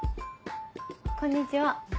こんにちは。